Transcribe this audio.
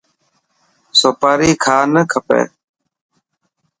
سوپاري کان نه کپي.